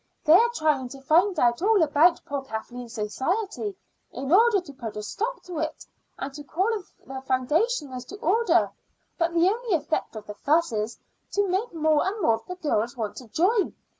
They're trying to find out all about poor Kathleen's society, in order to put a stop to it and to call the foundationers to order; but the only effect of the fuss is to make more and more of the girls want to join.